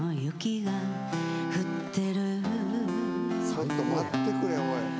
ちょっと待ってくれおい。